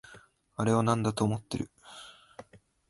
あれをなんだと思ってる？